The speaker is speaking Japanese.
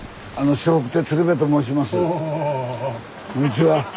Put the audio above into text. こんにちは。